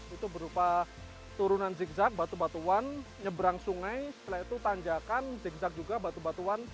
itu berupa turunan zigzag batu batuan nyebrang sungai setelah itu tanjakan zigzag juga batu batuan